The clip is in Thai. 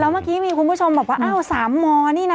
เมื่อกี้มีคุณผู้ชมบอกว่าอ้าว๓มนี่นะ